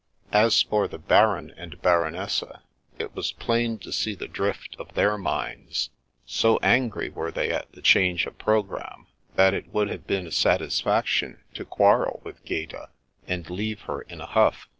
As for the Baron and Baronessa, it was plain to see the drift of their minds. So angry were they at the change of programme, that it would have been a satisfaction to quarrel with Gaeta, and leave her in a huff.